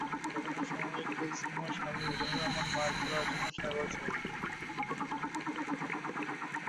ঘটনার সময় কুলসুমার স্বামী মিজানুর রহমান মাছ ধরার জন্য সাগরে ছিলেন।